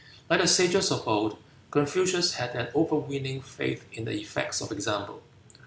Like the sages of old, Confucius had an overweening faith in the effect of example.